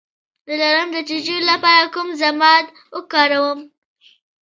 د لړم د چیچلو لپاره کوم ضماد وکاروم؟